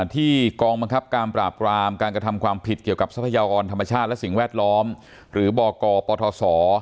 ที่กองบังคับการปราบรามการกระทำความผิดเกี่ยวกับทรัพยากรธรรมชาติและสิ่งแวดล้อมหรือบกปทศ